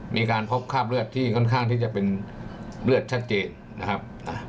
มีการพบคราบเลือดที่ค่อนข้างที่จะเป็นเลือดชัดเจนนะครับ